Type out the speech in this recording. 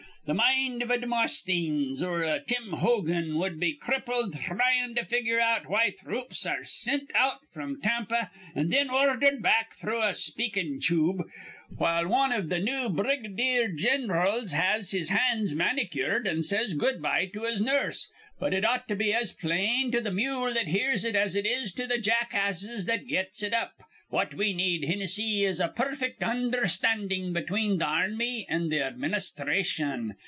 Th' mind iv a Demostheens or a Tim Hogan would be crippled thryin' to figure out why throops ar re sint out fr'm Tampa an' thin ordhered back through a speakin' chube, while wan iv th' new briga deer gin'rals has his hands manicured an' says good by to his nurse. But it ought to be as plain to th' mule that hears it as it is to th' jackasses that gets it up. What we need, Hinnissy, is a perfect undherstandin' between th' ar rmy an' th' administhration.